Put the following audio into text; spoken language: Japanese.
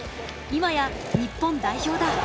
今や日本代表だ。